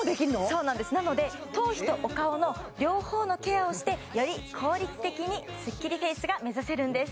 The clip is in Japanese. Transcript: そうなんですなので頭皮とお顔の両方のケアをしてより効率的にスッキリフェイスが目指せるんです！